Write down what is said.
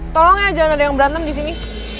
tolong aja jangan ada yang berantem disini